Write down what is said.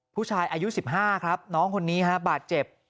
ผู้ชายอายุ๑๕ครับน้องคนนี้ฮะบาดเจ็บ